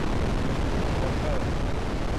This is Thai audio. สแตมเปอร์